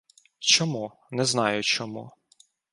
Чому? Не знаю чому.